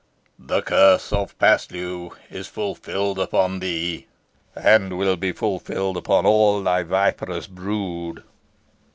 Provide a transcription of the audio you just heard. The curse of Paslew is fulfilled upon thee, and will be fulfilled upon all thy viperous brood."